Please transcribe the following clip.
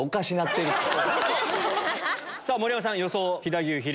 さぁ盛山さん予想。